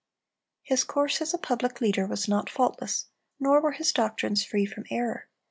His course as a public leader was not faultless, nor were his doctrines free from error.